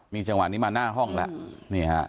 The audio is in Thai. จังหวะนี้มาหน้าห้องแล้วนี่ฮะ